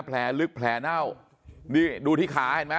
แผลลึกแผลเน่านี่ดูที่ขาเห็นไหม